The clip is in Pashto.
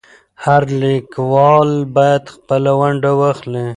هر لیکوال باید خپله ونډه واخلي.